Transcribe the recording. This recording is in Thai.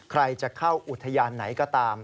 ใครจะเข้าอุทยานไหนก็ตาม